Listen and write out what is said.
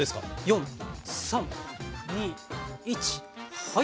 ４３２１はい。